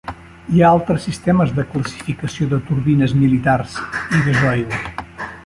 Hi ha altres sistemes de classificació de turbines militars i gasoil.